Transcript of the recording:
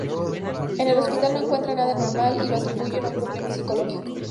En el hospital no encuentran nada anormal y lo atribuyen a un problema psicológico.